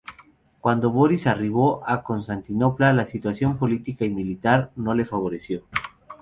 Cuando Boris arribó a Constantinopla, la situación política y militar no lo favoreció.